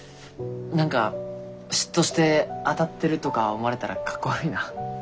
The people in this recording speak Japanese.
何か嫉妬して当たってるとか思われたらかっこ悪いな。